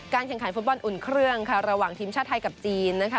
แข่งขันฟุตบอลอุ่นเครื่องค่ะระหว่างทีมชาติไทยกับจีนนะคะ